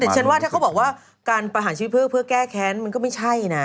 แต่ฉันว่าถ้าเขาบอกว่าการประหารชีวิตเพื่อแก้แค้นมันก็ไม่ใช่นะ